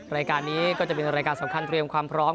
รายการนี้ก็จะเป็นรายการสำคัญเตรียมความพร้อม